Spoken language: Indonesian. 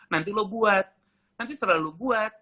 nanti lo buat nanti setelah lo buat